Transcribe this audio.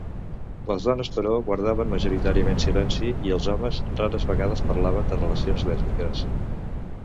Les dones, però, guardaven majoritàriament silenci i els homes rares vegades parlaven de relacions lèsbiques.